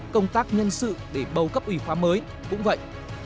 công tác nhân sự để bầu cấp ủy khoa mới cũng vậy